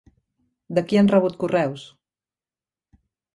De qui han rebut correus?